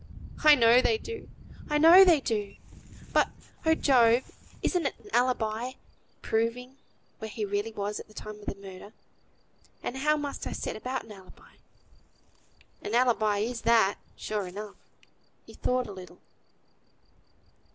"I know they do! I know they do! But, oh! Job! isn't an alibi a proving where he really was at th' time of the murder; and how must I set about an alibi?" "An alibi is that, sure enough." He thought a little.